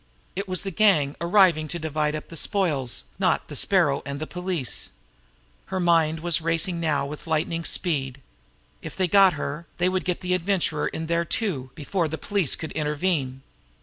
It was the gang arriving to divide up the spoils, not the Sparrow and the police. Her mind was racing now with lightning speed. If they got her, they would get the Adventurer in there, too, before the police could intervene.